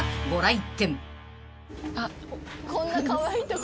あっ。